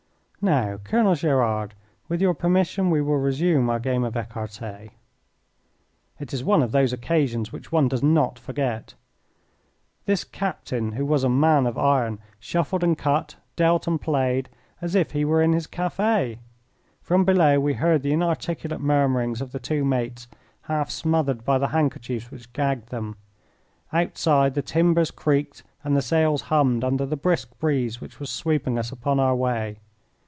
Now, Colonel Gerard, with your permission we will resume our game of ecarte." It is one of those occasions which one does not forget. This captain, who was a man of iron, shuffled and cut, dealt and played as if he were in his cafe. From below we heard the inarticulate murmurings of the two mates, half smothered by the handkerchiefs which gagged them. Outside the timbers creaked and the sails hummed under the brisk breeze which was sweeping us upon our way.